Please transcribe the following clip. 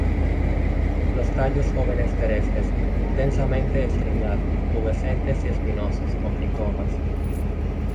Los tallos jóvenes teretes, densamente estrellado-pubescentes y espinosos, con tricomas.